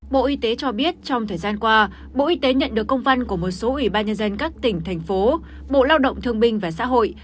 bộ y tế cho biết trong thời gian qua bộ y tế nhận được công văn của một số ủy ban nhân dân các tỉnh thành phố bộ lao động thương binh và xã hội